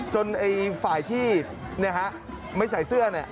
จนฝ่ายที่ไม่ใส่เสื้อ